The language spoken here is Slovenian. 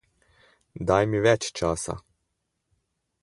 Daj mi več časa.